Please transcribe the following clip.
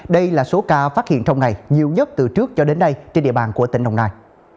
đây là số ca phát hiện trong ngày nhiều nhất từ trước cho đến nay trên địa bàn của tỉnh đồng nai